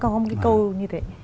có một cái câu như vậy